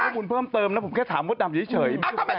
ข้อมูลเพิ่มเติมนะผมแค่ถามมดดำเฉย